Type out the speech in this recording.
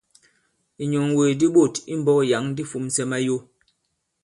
Ìnyɔ̀ŋwègè di ɓôt i mbɔ̄k yǎŋ di fūmsɛ mayo.